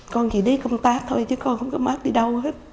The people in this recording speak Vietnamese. con chỉ đi công tác thôi chứ con không có mất đi đâu hết